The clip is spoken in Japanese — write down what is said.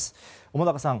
面高さん